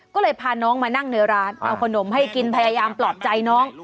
ก็เลยพาน้องมานั่งในร้านเอาขนมให้กินพยายามปลอบใจน้อง